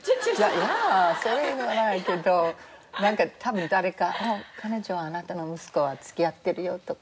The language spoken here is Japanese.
いやあそういうのないけどなんか多分誰か彼女とあなたの息子は付き合ってるよとか。